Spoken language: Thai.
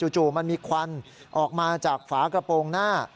จู่มันมีควันออกมาจากฝากระโปรงหน้า